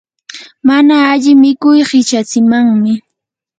mana alli mikuy qichatsimanmi.